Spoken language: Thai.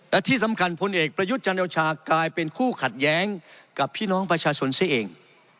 และที่สำคัญพลเอกประยุทธ์จันโอชากลายเป็นคู่ขัดแย้งกับพี่น้องประชาชนซะเอง